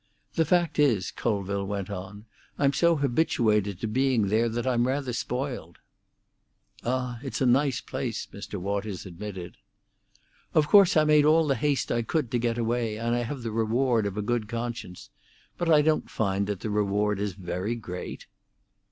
"The fact is," Colville went on, "I'm so habituated to being there that I'm rather spoiled." "Ah, it's a nice place," Mr. Waters admitted. "Of course I made all the haste I could to get away, and I have the reward of a good conscience. But I don't find that the reward is very great."